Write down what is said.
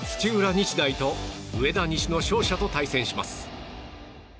日大と上田西の勝者と対戦します。